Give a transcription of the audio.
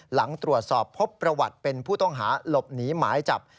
หลังตรวจสอบพบประวัติเป็นผู้ต้องหาหลบหนีหมายจับ